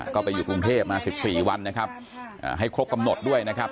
ก็ไปอยู่กรุงเทพมา๑๔วันนะครับให้ครบกำหนดด้วยนะครับ